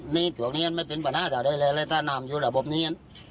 นี่ตรงนี้ไม่เป็นปัญหาจากใดเลยถ้าน้ำอยู่ระบบนี้